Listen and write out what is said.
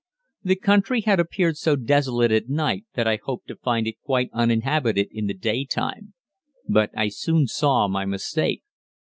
The country had appeared so desolate at night that I hoped to find it quite uninhabited in the day time, but I soon saw my mistake.